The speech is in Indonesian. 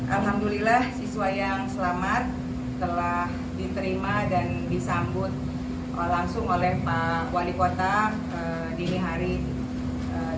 alhamdulillah siswa yang selamat telah diterima dan disambut langsung oleh pak wali kota dini hari